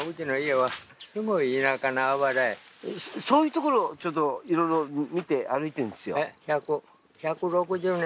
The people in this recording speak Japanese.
そういうところをちょっといろいろ見て歩いてるんですよ。